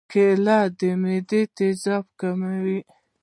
کېله د معدې تیزاب کموي.